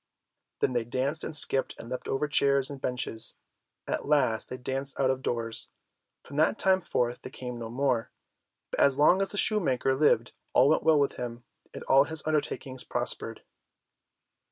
Then they danced and skipped and leapt over chairs and benches. At last they danced out of doors. From that time forth they came no more, but as long as the shoemaker lived all went well with him, and all his undertakings prospered.